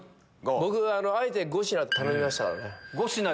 僕あえて５品頼みましたからね。